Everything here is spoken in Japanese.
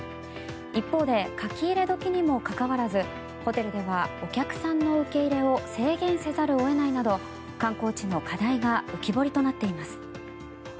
一方で書き入れ時にもかかわらずホテルではお客さんの受け入れを制限せざるを得ないなど観光地の課題が浮き彫りとなっています。